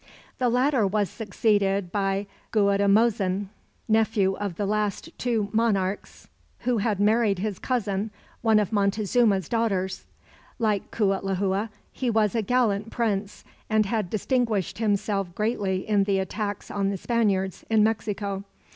The latter was succeeded by Guatimozin, nephew of the two last monarchs, who had married his cousin, one of Montezuma's daughters. Like Cuitlahua he was a gallant prince, and had distinguished himself greatly in the attacks on the Spaniards, in Mexico.